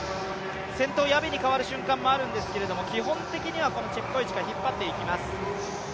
先頭ヤビに変わる瞬間もあるんですが、基本的にはチェプコエチが引っ張っていきます。